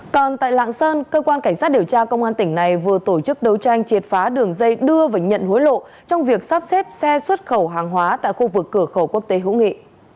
còn tại lạng sơn cơ quan cảnh sát điều tra công an tỉnh này vừa tổ chức đấu tranh triệt phá đường dây đưa và nhận hối lộ trong việc sắp xếp xe xuất khẩu hàng hóa tại khu vực cửa khẩu quốc tế hữu nghị